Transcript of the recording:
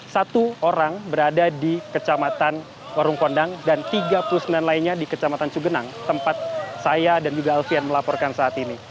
satu orang berada di kecamatan warung kondang dan tiga puluh sembilan lainnya di kecamatan cugenang tempat saya dan juga alfian melaporkan saat ini